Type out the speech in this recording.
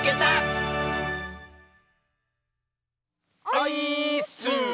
オイーッス！